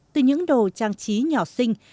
từ những đồ trang trí nhỏ xinh